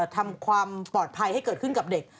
ทำความปลอดภัยให้เกิดขึ้นกับเด็ก